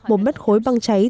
một mét khối băng cháy